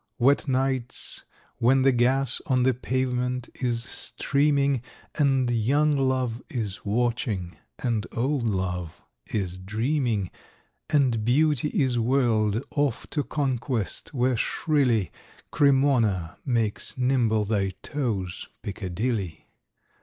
Wet nights, when the gas on the pavement is streaming, And young Love is watching, and old Love is dreaming, And Beauty is whirl'd off to conquest, where shrilly Cremona makes nimble thy toes, Piccadilly!